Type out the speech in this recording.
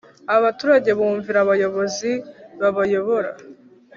Abaturage bumvira abayobozi babayobora